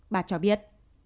bà cho biết